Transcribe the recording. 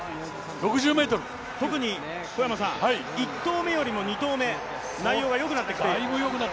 ６０ｍ、特に１投目よりも２投目内容が良くなってきて。